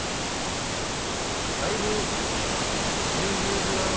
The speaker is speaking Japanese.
だいぶ。